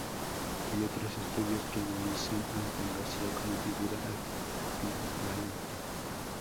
Hay otros estudiosos que analizan a don García como figura ambivalente.